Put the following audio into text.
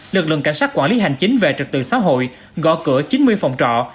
lực lượng cảnh sát quản lý hành chính về trật tự xã hội gõ cửa chín mươi phòng trọ